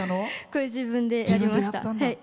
これ、自分でやりました。